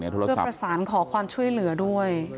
เพื่อประสานขอความช่วยเหลือด้วย